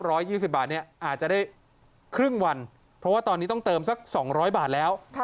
ยี่สิบบาทเนี่ยอาจจะได้ครึ่งวันเพราะว่าตอนนี้ต้องเติมสักสองร้อยบาทแล้ว